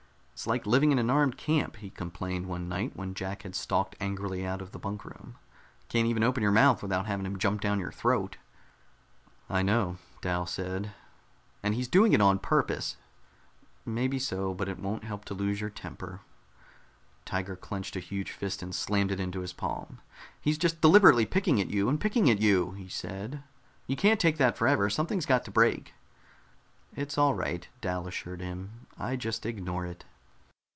"It's like living in an armed camp," he complained one night when Jack had stalked angrily out of the bunk room. "Can't even open your mouth without having him jump down your throat." "I know," Dal said. "And he's doing it on purpose." "Maybe so. But it won't help to lose your temper." Tiger clenched a huge fist and slammed it into his palm. "He's just deliberately picking at you and picking at you," he said. "You can't take that forever. Something's got to break." "It's all right," Dal assured him. "I just ignore it."